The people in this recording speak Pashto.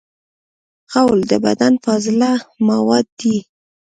غول د بدن فاضله مواد دي.